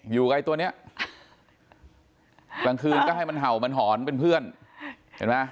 อยู่กับไอ้ตัวเนี้ยกลางคืนก็ให้มันเห่ามันหอนเป็นเพื่อนเห็นไหม